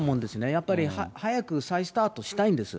やっぱり、早く再スタートしたいんです。